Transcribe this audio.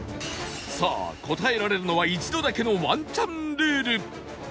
さあ答えられるのは一度だけのワンチャンルール